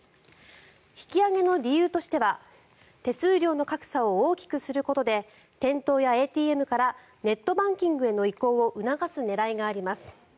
引き上げの理由としては手数料の格差を大きくすることで店頭やＡＴＭからネットバンキングへの移行を促す狙いがあります。